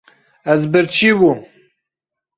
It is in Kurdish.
Ez birçî bûm.